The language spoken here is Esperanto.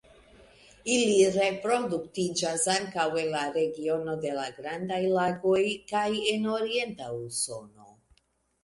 Ili reproduktiĝas ankaŭ en la regiono de la Grandaj Lagoj kaj en orienta Usono.